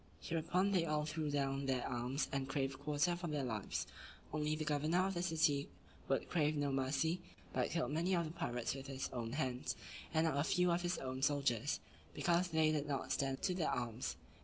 Hereupon they all threw down their arms, and craved quarter for their lives; only the governor of the city would crave no mercy, but killed many of the pirates with his own hands, and not a few of his own soldiers; because they did not stand to their arms.